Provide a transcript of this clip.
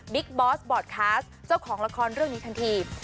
บอสบอร์ดคลาสเจ้าของละครเรื่องนี้ทันที